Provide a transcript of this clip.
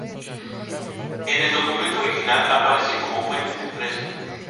En el documento original aparece como Fuente el Fresno.